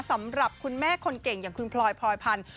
สำหรับคุณแม่คนเก่งอย่างคุณพลอยพลอยพันธ์